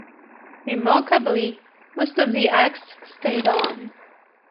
Remarkably, most of the acts stayed on.